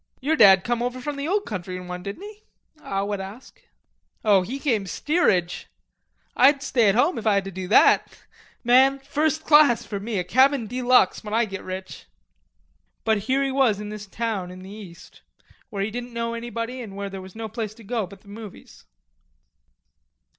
"Yer dad come over from the old country in one, didn't he?" Al would ask. "Oh, he came steerage. I'd stay at home if I had to do that. Man, first class for me, a cabin de lux, when I git rich." But here he was in this town in the East, where he didn't know anybody and where there was no place to go but the movies.